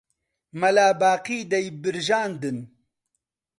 مەلا باقی دەیبرژاندن